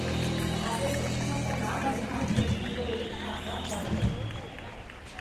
ভাবের অসীমতা না হলে মানুষের হৃদয়ের ফাঁকা ভরে না।